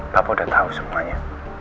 papa udah tau semuanya